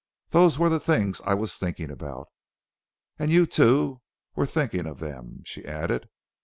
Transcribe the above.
"Those were the things I was thinking about. And you, too, were thinking of them," she added.